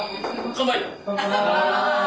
乾杯！